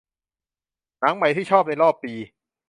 หนังใหม่ที่ชอบในรอบปี